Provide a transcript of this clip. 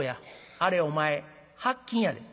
あれお前白金やで」。